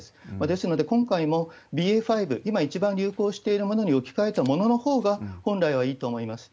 ですので今回も、ＢＡ．５、今、一番流行しているものに置き換えたもののほうが、本来はいいと思います。